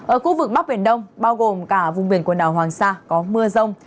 ở khu vực bắc biển đông bao gồm cả vùng biển quần đảo hoàng sa có mưa rông